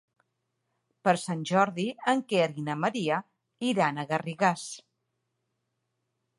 Per Sant Jordi en Quer i na Maria iran a Garrigàs.